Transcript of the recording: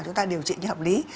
chúng ta điều trị như hợp lý